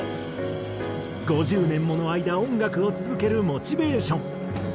５０年もの間音楽を続けるモチベーション。